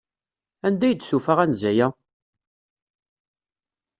Anda ay d-tufa anza-a?